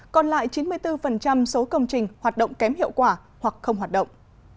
còn lại chín mươi bốn số công trình hoạt động kém hiệu quả hoặc không hoạt động